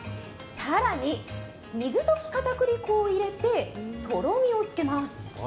更に水溶きかたくり粉を入れてとろみをつけます。